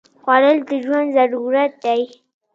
خوړل د ژوند ضرورت دی